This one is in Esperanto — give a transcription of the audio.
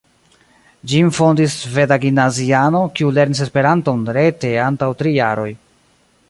Ĝin fondis sveda gimnaziano, kiu lernis Esperanton rete antaŭ tri jaroj.